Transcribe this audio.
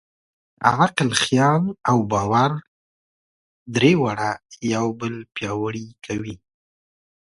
عقل، خیال او باور؛ درې واړه یو بل پیاوړي کوي.